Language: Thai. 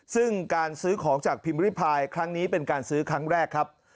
ซึ่งการซื้อของจากพิมพ์ริพายครั้งนี้เป็นการซื้อครั้งแรกครับ